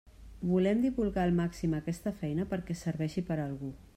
Volem divulgar al màxim aquesta feina perquè serveixi per a algú.